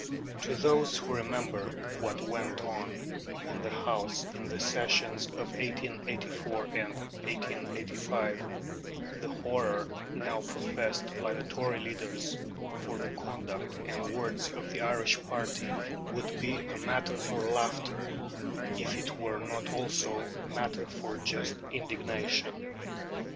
To those who remember what went on in the House in the sessions of 1884 and 1885, the horror now professed by the Tory leaders for the conduct and words of the Irish party would be matter for laughter if it were not also matter for just indignation.